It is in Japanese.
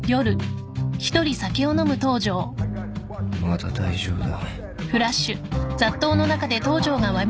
まだ大丈夫だ。